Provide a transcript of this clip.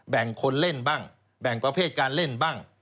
แบ่งคนเล่นบ้างแบ่งประเภทการเล่นบ้าง